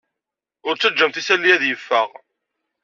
Ur ttajjamt isali-a ad yeffeɣ.